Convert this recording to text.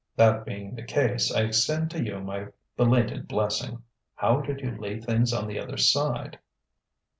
"That being the case, I extend to you my belated blessing. How did you leave things on the other side?"